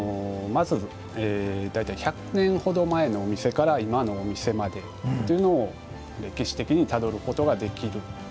まず大体１００年ほど前のお店から今のお店までというのを歴史的にたどることができる。